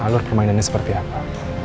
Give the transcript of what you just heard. alur permainannya seperti apa